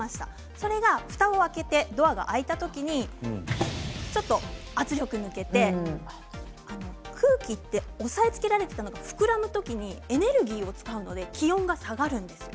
それを、ふたを開けてドアが開いた時にちょっと圧力が抜けて空気って押さえつけられていたのが膨らむ時にエネルギーを使うので気温が下がるんです。